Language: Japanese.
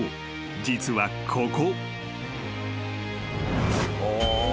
実はここ］